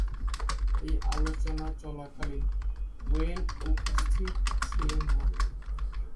এই আলোচনা চলাকালীন ওয়েন উপস্থিত ছিলেন না।